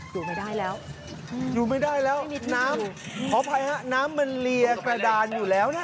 อยู่ไม่ได้แล้วอยู่ไม่ได้แล้วน้ำน้ำมันเหลียกแต่ด่านอยู่แล้วน่ะ